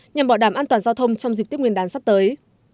nhằm bảo đảm an toàn giao thông trong dịp tết nguyên đán sắp tới